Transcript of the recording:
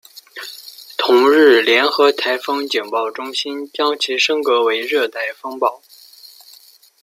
同日联合台风警报中心将其升格为热带风暴。